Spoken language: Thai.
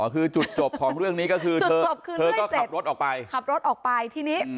คือจุดจบของเรื่องนี้ก็คือเธอเธอก็ขับรถออกไปขับรถออกไปทีนี้